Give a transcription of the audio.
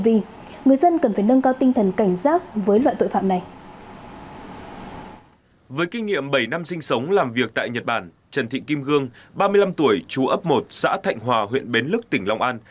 với kinh nghiệm bảy năm sinh sống làm việc tại nhật bản trần thị kim gương ba mươi năm tuổi chú ấp một xã thạnh hòa huyện bến lức tỉnh long an